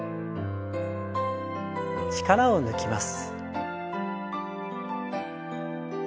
力を抜きます。